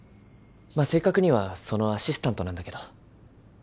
まあ正確にはそのアシスタントなんだけど。